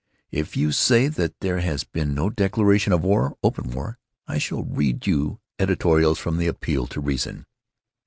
If you say that there has been no declaration of war, open war, I shall read you editorials from The Appeal to Reason.